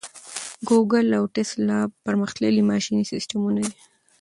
ګوګل او ټیسلا پرمختللي ماشیني سیسټمونه دي.